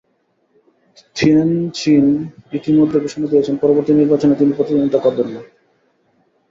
Thin চেন ইতিমধ্যে ঘোষণা দিয়েছেন, পরবর্তী নির্বাচনে তিনি প্রতিদ্বন্দ্বিতা করবেন না।